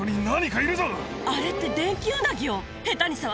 あれって。